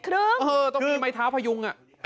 ต้องมีไม้เท้าพยุง